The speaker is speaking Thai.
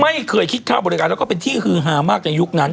ไม่เคยคิดค่าบริการแล้วก็เป็นที่ฮือฮามากในยุคนั้น